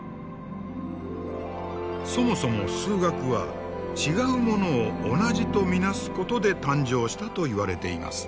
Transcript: そもそも数学は違うものを同じと見なすことで誕生したといわれています。